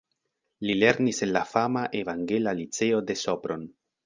Li lernis en la fama Evangela Liceo de Sopron.